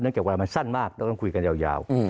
เนื่องจากว่ามันสั้นมากแล้วก็ต้องคุยกันยาว